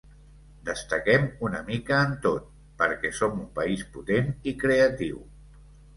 Destaquem una mica en tot, perquè som un país potent i creatiu.